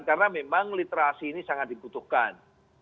karena memang literasi ini sangat dibutuhkan